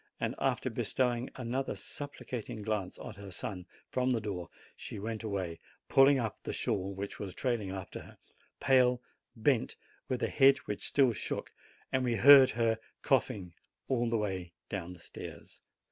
And after bestowing another supplicating glance at her son from the door, she went away, pulling up the shawl which was trailing after her, pale, bent, with a head which still shook, and we heard her coughing all the way down the stairs.